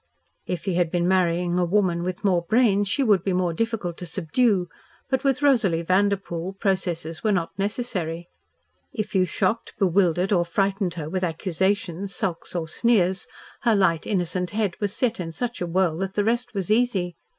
If he had been marrying a woman with more brains, she would be more difficult to subdue, but with Rosalie Vanderpoel, processes were not necessary. If you shocked, bewildered or frightened her with accusations, sulks, or sneers, her light, innocent head was set in such a whirl that the rest was easy.